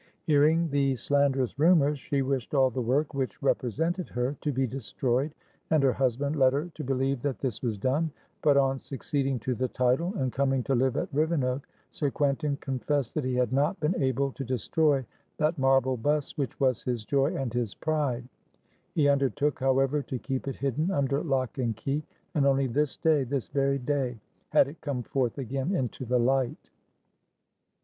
Hearing these slanderous rumours, she wished all the work which represented her to be destroyed, and her husband led her to believe that this was done; but on succeeding to the title, and coming to live at Rivenoak, Sir Quentin confessed that he had not been able to destroy that marble bust which was his joy and his pride; he undertook, however, to keep it hidden under lock and key, and only this day, this very day, had it come forth again into the light.